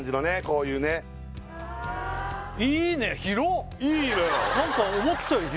こういうねいいのよ